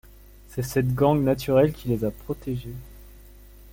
C'est cette gangue naturelle qui les a protégés.